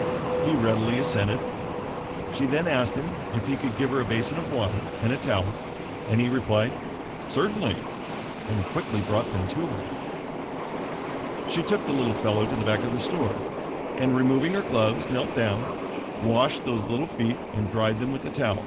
He readily assented. She then asked him if he could give her a basin of water and a towel, and he replied: "Certainly," and quickly brought them to her. She took the little fellow to the back part of the store, and, removing her gloves knelt down, washed those little feet and dried them with the towel.